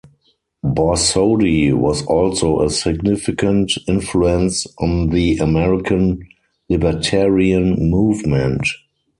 Borsodi was also a significant influence on the American libertarian movement.